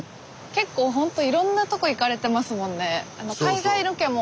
結構ほんといろんなとこ行かれてますもんね。